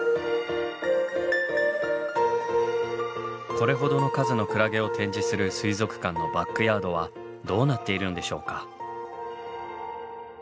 これほどの数のクラゲを展示する水族館のバックヤードはどうなっているのでしょうか？